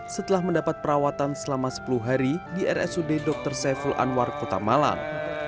setelah mendapat perawatan selama sepuluh hari di rsud dr saiful anwar kota malang